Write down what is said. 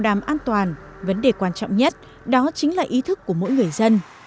đảm an toàn vấn đề quan trọng nhất đó chính là ý thức của mỗi người dân